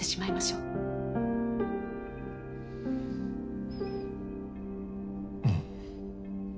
うん。